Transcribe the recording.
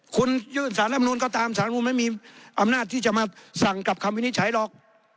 คุณยื่นสารรับนูนก็ตามสารนูลไม่มีอำนาจที่จะมาสั่งกับคำวินิจฉัยหรอก